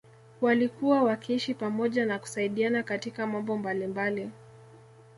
Walikuwa wakiishi pamoja na kusaidiana katika mambo mbalimbali